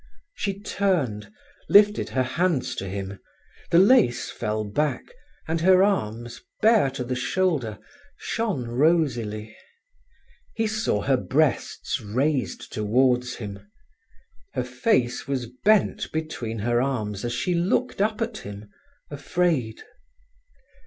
She turned, lifted her hands to him. The lace fell back, and her arms, bare to the shoulder, shone rosily. He saw her breasts raised towards him. Her face was bent between her arms as she looked up at him afraid.